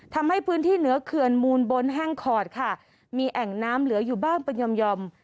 ทำให้พื้นที่เหนือเขื่อนมูลบนแห้งขอดค่ะมีแอ่งน้ำเหลืออยู่บ้างเป็นยอม